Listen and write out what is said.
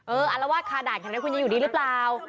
เอออารวาสคาด่ายแค่นี้คุณยังอยู่ดีหรือเปล่า